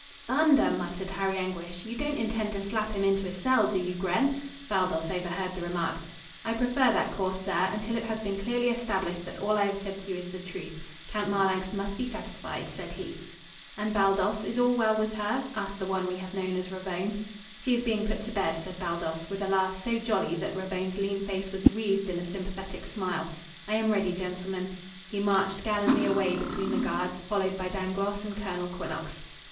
"Thunder!" muttered Harry Anguish. "You don't intend to slap him into a cell, do you, Gren?" Baldos overheard the remark. "I prefer that course, sir, until it has been clearly established that all I have said to you is the truth. Count Marlanx must be satisfied," said he. "And, Baldos, is all well with her?" asked the one we have known as Ravone. "She is being put to bed," said Baldos, with a laugh so jolly that Ravone's lean face was wreathed in a sympathetic smile. "I am ready, gentlemen." He marched gallantly away between the guards, followed by Dangloss and Colonel Quinnox.